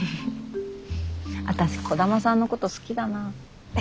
私兒玉さんのこと好きだな。